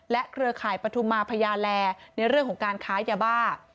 เครือข่ายปฐุมาพญาแลในเรื่องของการค้ายาบ้า